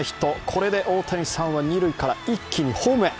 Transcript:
これで大谷さんは二塁から一気にホームへ。